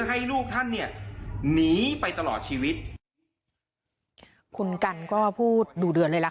ให้ลูกท่านเนี่ยหนีไปตลอดชีวิตคุณกันก็พูดดูเดือดเลยล่ะค่ะ